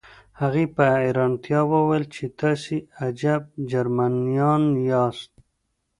هغې په حیرانتیا وویل چې تاسې عجب جرمنان یاست